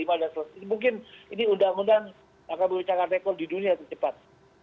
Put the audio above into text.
mungkin ini undang undang akan memecahkan rekor di dunia secepat